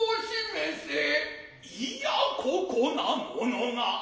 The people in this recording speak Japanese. いやここなものが。